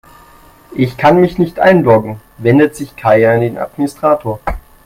"Ich kann mich nicht einloggen", wendet sich Kai an den Administrator.